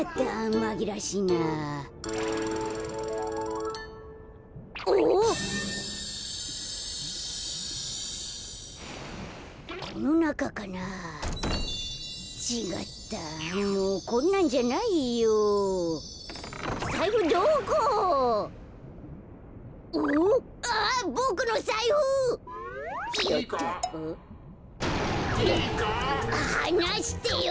はなしてよ。